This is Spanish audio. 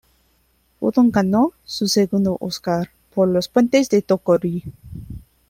Fulton ganó su segundo Óscar por "Los puentes de Toko-Ri".